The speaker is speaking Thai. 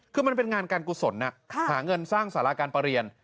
คือมันเป็นงานการกุศลหาเงินสร้างสาราการประเรียน